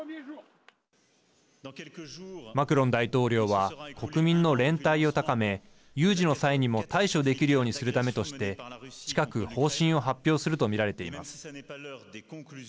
マクロン大統領は国民の連帯を高め有事の際にも対処できるようにするためとして近く方針を発表すると見られています。